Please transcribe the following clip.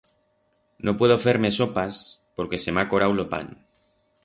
No puedo fer-me sopas porque se m'ha acorau lo pan.